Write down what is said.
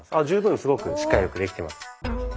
十分すごくしっかりよくできています。